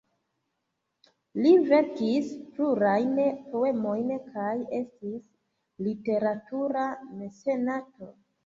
Li verkis plurajn poemojn kaj estis literatura mecenato.